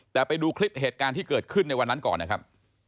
แต่ไปดูคลิปเหตุการณ์ที่เกิดขึ้นในวันนั้นก่อนนะครับ